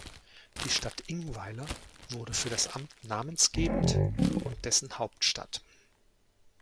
Die Stadt Ingweiler wurde für das Amt namensgebend und dessen „Hauptstadt“.